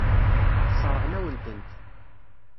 Sseṛɣen-awen-tent.